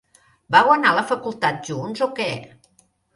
Vau anar a la facultat junts o què?